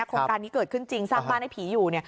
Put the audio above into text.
โครงการนี้เกิดขึ้นจริงสร้างบ้านให้ผีอยู่